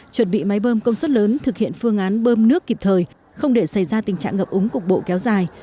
chuẩn bị máy bơm công suất lớn thực hiện phương án bơm nước kịp thời không để xảy ra tình trạng ngập úng cục bộ kéo dài